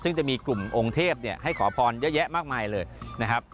ซึ่งจะมีกลุ่มองค์เทพให้ขอพรเยอะแยะมากมายเลยนะครับ